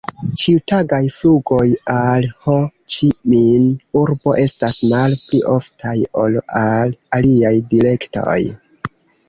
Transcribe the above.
Ĉiutagaj flugoj al Ho-Ĉi-Min-urbo estas malpli oftaj ol al aliaj direktoj.